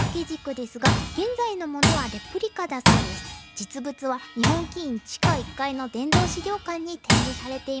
実物は日本棋院地下１階の殿堂資料館に展示されています。